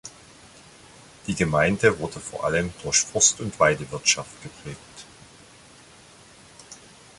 Die Gemeinde wurde vor allem durch Forst- und Weidewirtschaft geprägt.